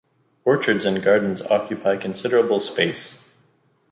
Orchards and gardens occupy considerable space.